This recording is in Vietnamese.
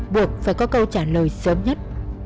buộc phải có câu trả lời sớm nhất